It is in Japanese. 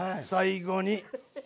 最後に。